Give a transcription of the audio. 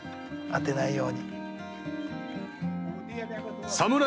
当てないように。